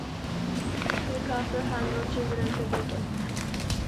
The couple had no children together.